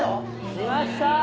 しました！